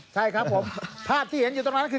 ใช่ครับผมภาพที่เห็นอยู่ตรงนั้นคือ